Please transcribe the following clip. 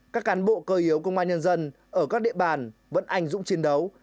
các cán bộ cơ yếu công an nhân dân ở các địa bàn vẫn ảnh dụng chiến đấu